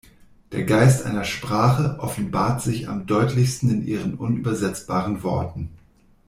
Der Geist einer Sprache offenbart sich am deutlichsten in ihren unübersetzbaren Worten.